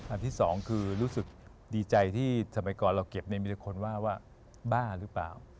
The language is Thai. ที่สองคือรู้สึกดีใจที่สมัยก่อนเราเก็บมีแต่คนว่าว่าบ้าหรือเปล่า